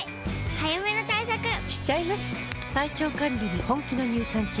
早めの対策しちゃいます。